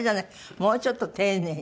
もうちょっと丁寧に。